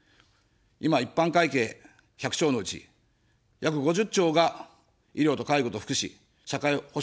今、一般会計１００兆のうち、約５０兆が医療と介護と福祉、社会保障費に使われています。